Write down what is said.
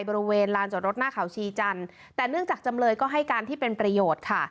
บริเวณลานจอดรถหน้าเขาชีจันทร์แต่เนื่องจากจำเลยก็ให้การที่เป็นประโยชน์ค่ะ